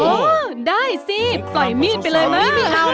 โอ้ได้สิปล่อยมีดไปเลยมา